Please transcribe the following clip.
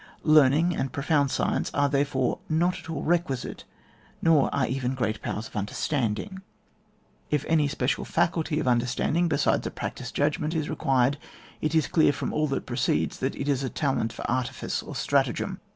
Learn ing and profound science are, therefore, not at all requisite, nor are even gr«*| powers of understanding. If any special SUMMARY OF INSTRUCTION. 117 fiaciilty of the understanding, besides a practised judgment is required, it is clear &om all that precedes, that it is a talent for artifice or stratagem.